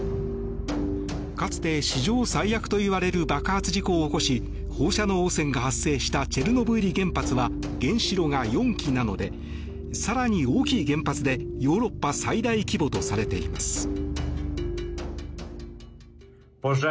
かつて史上最悪といわれる爆発事故を起こし放射能汚染が発生したチェルノブイリ原発は原子炉が４基なので更に大きい原発でヨーロッパ最大規模とされています。